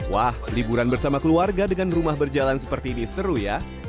wah liburan bersama keluarga dengan rumah berjalan seperti ini seru ya